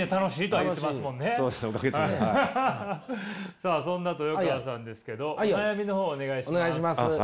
さあそんな豊川さんですけど悩みの方をお願いします。